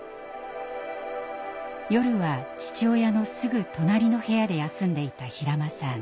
夜は父親のすぐ隣の部屋で休んでいた平間さん。